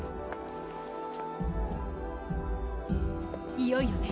いよいよね。